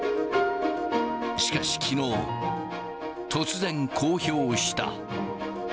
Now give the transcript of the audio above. しかしきのう、突然、公表した。